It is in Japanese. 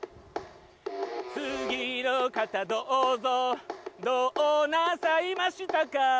次の方どうぞどうなさいましたか？